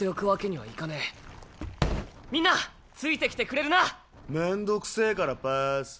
みんなついてきてくれるな⁉めんどくせぇからパス。